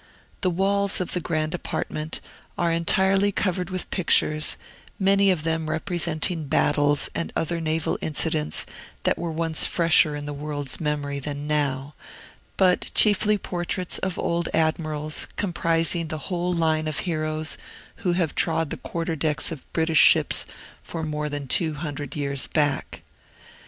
The walls of the grand apartment are entirely covered with pictures, many of them representing battles and other naval incidents that were once fresher in the world's memory than now, but chiefly portraits of old admirals, comprising the whole line of heroes who have trod the quarter decks of British ships for more than two hundred years back.